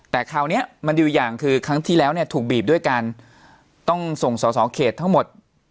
แต่คราวนี้มันดีอยู่อย่างคือครั้งที่แล้วเนี่ยถูกบีบด้วยการต้องส่งสอสอเขตทั้งหมด